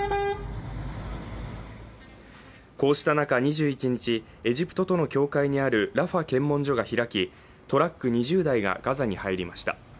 こうした中、２１日、エジプトとの境界にあるラファ検問所が開きトラック２０台がガザに入りました。